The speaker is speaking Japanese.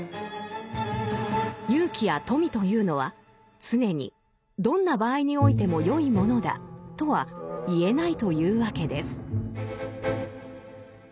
勇気や富というのは常にどんな場合においても善いものだとは言えないというわけです。